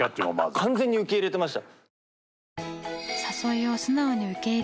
完全に受け入れてました。